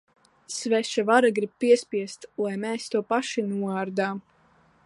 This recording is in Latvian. Sveša vara grib piespiest, lai mēs to paši noārdām.